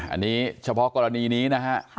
อันนี้เฉพาะกรณีนี้นะฮะ